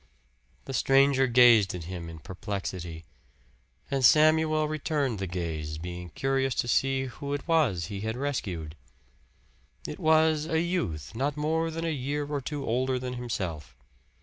The stranger gazed at him in perplexity. And Samuel returned the gaze, being curious to see who it was he had rescued. It was a youth not more than a year or two older than himself.